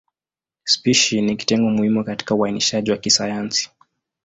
Spishi ni kitengo muhimu katika uainishaji wa kisayansi.